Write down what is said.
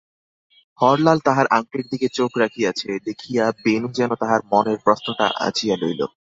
হরলাল তাহার আংটির দিকে চোখ রাখিয়াছে দেখিয়া বেণু যেন তাহার মনের প্রশ্নটা আঁচিয়া লইল।